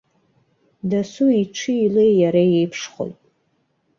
Дасу иҽи илеи иара иеиԥшхоит.